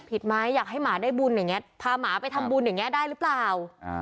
ผิดไหมอยากให้หมาได้บุญอย่างนี้พาหมาไปทำบุญอย่างนี้ได้หรือเปล่า